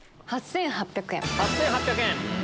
８８００円。